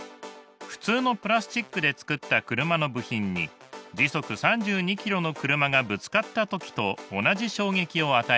普通のプラスチックで作った車の部品に時速３２ｋｍの車がぶつかった時と同じ衝撃を与えてみます。